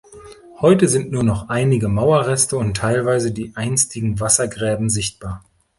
Heute sind nur noch einige Mauerreste und teilweise die einstigen Wassergräben sichtbar.